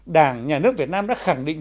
đảng nhà nước việt nam đã khẳng định